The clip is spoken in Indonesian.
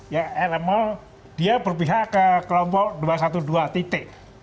ya rm dia berpihak ke kelompok dua ratus dua belas titik